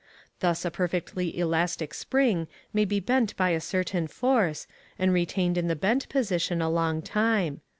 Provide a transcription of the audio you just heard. Thus a perfectly elastic spring may be bent by a certain force, and retained in the bent position a long time.